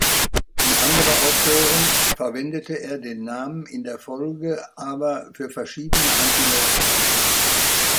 Wie andere Autoren verwendete er den Namen in der Folge aber für verschiedene Antilopen.